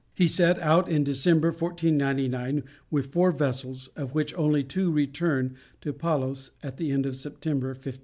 He set out in December, 1499, with four vessels, of which only two returned to Palos at the end of September, 1500.